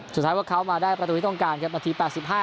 สุดท้ายว่าเขามาได้ประตูที่ต้องการครับนาทีแปดสิบห้า